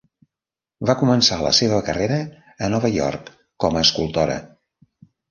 Va començar la seva carrera a Nova York com a escultora.